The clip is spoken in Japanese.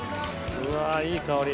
うわいい香り。